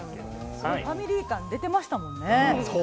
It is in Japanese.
ファミリー感出ていましたもの。